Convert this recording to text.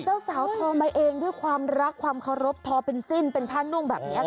เจ้าสาวทอมาเองด้วยความรักความเคารพทอเป็นสิ้นเป็นผ้านุ่งแบบนี้ค่ะ